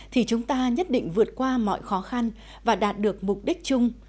thì chúng ta nhất định vượt qua mọi khó khăn và đạt được mục đích chung